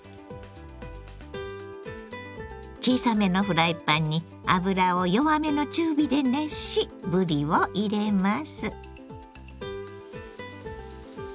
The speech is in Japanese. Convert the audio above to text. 小さめのフライパンに油を弱めの中火で熱しぶりを入れます。